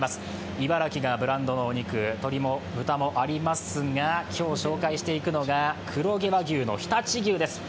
茨城がブランドのお肉、鳥や豚もありますが今日紹介していくのが、黒毛和牛の常陸牛です。